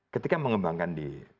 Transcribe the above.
ketika mengembangkan di